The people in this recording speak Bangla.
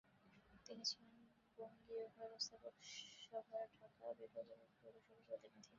তিনি ছিলেন বঙ্গীয় ব্যবস্থাপক সভার ঢাকা বিভাগের পৌরসভা প্রতিনিধি।